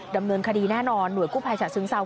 ดำเนินคดีแน่นอนหน่วยกู้ภัยฉะเชิงเซา